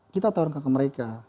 kita tawarkan ke mereka